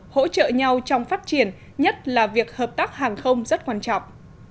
hỗ trợ nhau trong phát triển nhất là việc hợp tác hàng không rất quan trọng